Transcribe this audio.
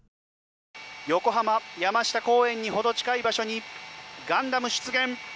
横浜・山下公園にほど近い場所にガンダム出現。